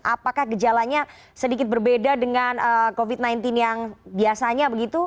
apakah gejalanya sedikit berbeda dengan covid sembilan belas yang biasanya begitu